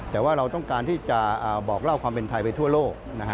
แต่ว่าเราต้องการที่จะบอกเล่าความเป็นไทยไปทั่วโลก